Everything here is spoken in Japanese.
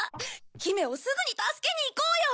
姫をすぐに助けに行こうよ！